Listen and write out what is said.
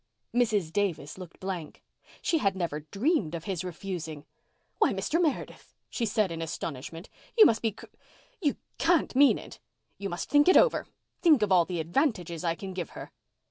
Mrs. Davis looked blank. She had never dreamed of his refusing. "Why, Mr. Meredith," she said in astonishment. "You must be cr—you can't mean it. You must think it over—think of all the advantages I can give her."